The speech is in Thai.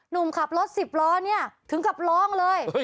นุ่มขับรถสิบร้อนเนี่ยถึงขับร้องเลย